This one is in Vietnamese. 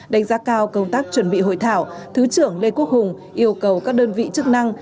đánh giá cao công tác chuẩn bị hội thảo thứ trưởng lê quốc hùng yêu cầu các đơn vị chức năng